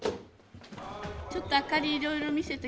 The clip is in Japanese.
ちょっと明かりいろいろ見せて下さい。